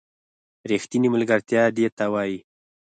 ریښتینې ملگرتیا دې ته وايي